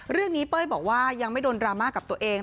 เรื่องนี้เป้ยบอกว่ายังไม่โดนดราม่ากับตัวเอง